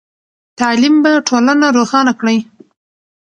تعلیم به ټولنه روښانه کړئ.